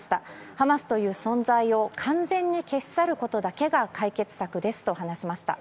ハマスという存在を完全に消し去ることだけが解決策ですと話しました。